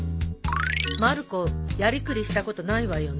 まる子やりくりしたことないわよね。